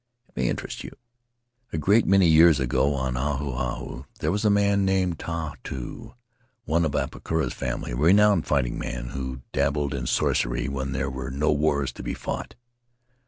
It may interest you. A great many years ago, on Ahu Ahu, there was a man named Tautu — one of Apakura's family — a renowned fighting man, who dabbled in sorcery when there were no wars to be fought.